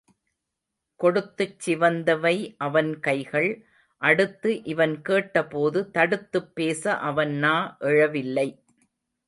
கொடுத்துச் சிவந்தவை அவன் கைகள் அடுத்து இவன் கேட்ட போது தடுத்துப் பேச அவன் நா எழவில்லை.